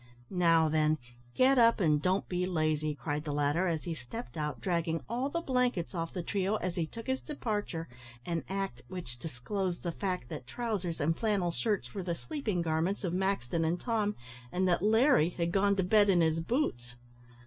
"Now, then, get up, and don't be lazy," cried the latter, as he stepped out, dragging all the blankets off the trio as he took his departure, an act which disclosed the fact that trousers and flannel shirts were the sleeping garments of Maxton and Tom, and that Larry had gone to bed in his boots.